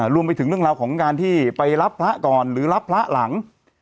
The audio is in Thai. รวมไปถึงเรื่องราวของการที่ไปรับพระก่อนหรือรับพระหลัง